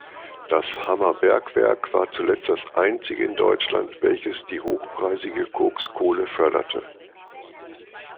Das Hammer Bergwerk war zuletzt das einzige in Deutschland, welches die hochpreisige Kokskohle förderte.